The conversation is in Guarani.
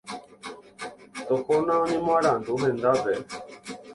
Tohóna oñemoarandu hendápe.